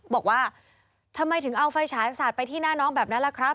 บอกว่าทำไมถึงเอาไฟฉายสาดไปที่หน้าน้องแบบนั้นล่ะครับ